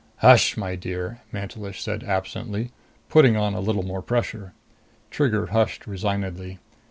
"Hush, my dear," Mantelish said absently, putting on a little more pressure. Trigger hushed resignedly.